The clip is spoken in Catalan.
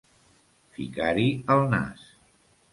Ficar-hi el nas.